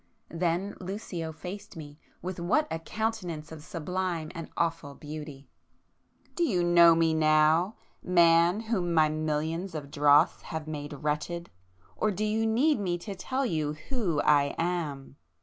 Then Lucio faced me,—with what a countenance of sublime and awful beauty! "Do you know Me now, man whom my millions of dross have made wretched?—or do you need me to tell you Who I am?"